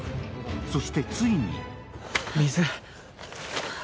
そして、ついに水！